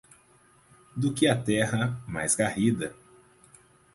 Do que a terra, mais garrida